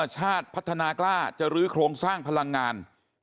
ชาติพัฒนากล้าจะรื้อโครงสร้างพลังงาน